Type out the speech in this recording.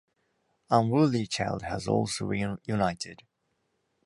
Unruly Child has also reunited.